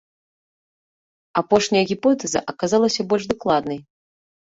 Апошняя гіпотэза аказалася больш дакладнай.